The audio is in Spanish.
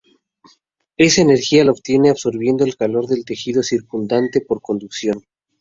Esa energía la obtiene absorbiendo el calor del tejido circundante por conducción.